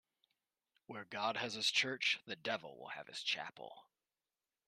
Where God has his church, the devil will have his chapel.